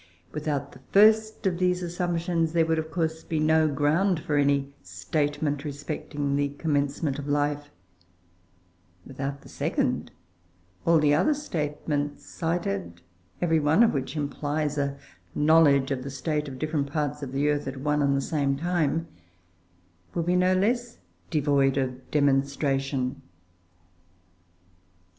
Without the first of these assumptions there would of course be no ground for any statement respecting the commencement of life; without the second, all the other statements cited, every one of which implies a knowledge of the state of different parts of the earth at one and the same time, will be no less devoid of demonstration.